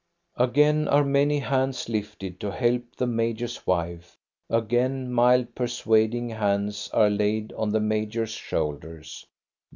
Again are many hands lifted to help the major's wife; again mild, persuading hands are laid on the major's shoulders.